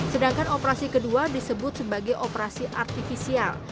sedangkan operasi kedua disebut sebagai operasi artifisial